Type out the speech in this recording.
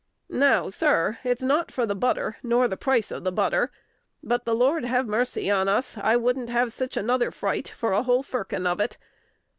Now, sir, it's not for the butter, nor the price of the butter, but, the Lord have massy on us, I wouldn't have sich another fright for a whole firkin of it.